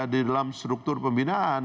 di dalam struktur pembinaan